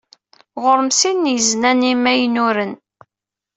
Ɣur-m sin n yiznan imaynuren.